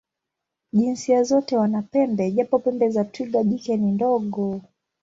Jinsia zote wana pembe, japo pembe za twiga jike ni ndogo.